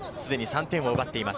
すでに３点を奪っています